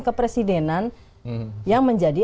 kepresidenan yang menjadi